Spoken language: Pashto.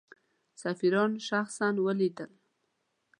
سفیران شخصا ولیدل.